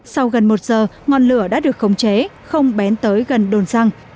sau gần một giờ ngọn lửa đã được khống chế không bén tới gần đồn răng